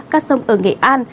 các sông ở nghệ an